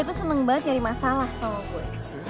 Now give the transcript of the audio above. dia tuh seneng banget nyari masalah sama gue